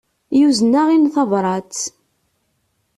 Yuzen-aɣ-n tabrat.